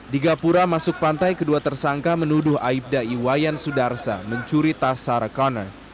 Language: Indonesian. di gapura masuk pantai kedua tersangka menuduh aibdai wayan sudarsa mencuri tas sarah connor